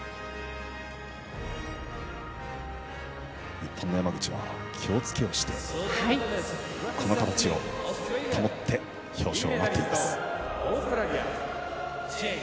日本の山口は気をつけをしてこの形を保って表彰を待っています。